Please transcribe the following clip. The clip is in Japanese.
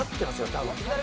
多分。